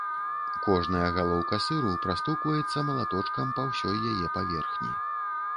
Кожная галоўка сыру прастукваецца малаточкам па ўсёй яе паверхні.